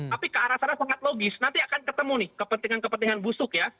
tapi kearasannya sangat logis nanti akan ketemu nih kepentingan kepentingan busuk ya